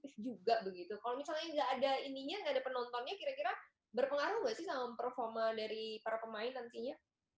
kalau misalnya nggak ada ininya nggak ada penontonnya kira kira berpengaruh nggak sih sama performa dari para pemain nantinya